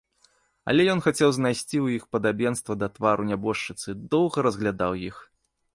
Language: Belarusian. Але ён хацеў знайсці ў іх падабенства да твару нябожчыцы і доўга разглядаў іх.